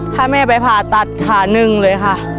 ถ้าแม่ไปผ่าตัดขาหนึ่งเลยค่ะ